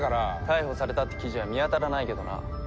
逮捕されたって記事は見当たらないけどな。